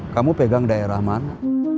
kamu pegang daerah mana